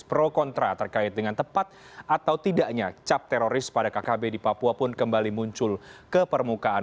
pro kontra terkait dengan tepat atau tidaknya cap teroris pada kkb di papua pun kembali muncul ke permukaan